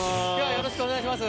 よろしくお願いします。